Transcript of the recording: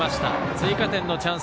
追加点のチャンス